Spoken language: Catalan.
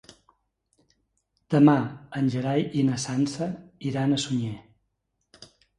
Demà en Gerai i na Sança iran a Sunyer.